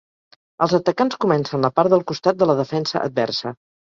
Els atacants comencen la part del costat de la defensa adversa.